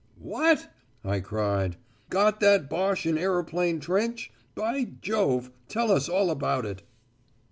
"What?" I cried. "Got that Boche in Aeroplane Trench? By Jove, tell us all about it."